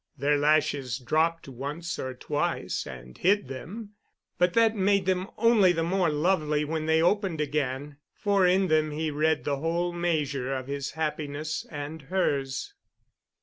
Their lashes dropped once or twice and hid them, but that made them only the more lovely when they opened again. For in them he read the whole measure of his happiness and hers.